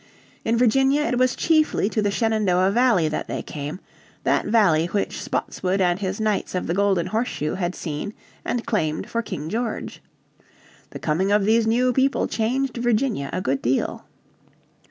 In Virginia it was chiefly to the Shenandoah Valley that they came, that valley which Spotswood and his knights of the Golden Horseshoe had seen and claimed for King George. The coming of these new people changed Virginia a good deal.